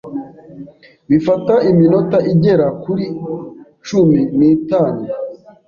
Bifata iminota igera kuri cumi n'itanu